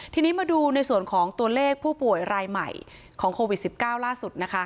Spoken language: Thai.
ทีนี้มาดูในส่วนของตัวเลขผู้ป่วยรายใหม่ของโควิด๑๙ล่าสุดนะคะ